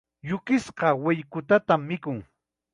Yukisqa wayquytatam mikun.